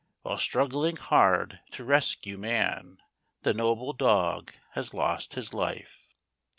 While struggling hard to rescue man, The noble dog has lost his life.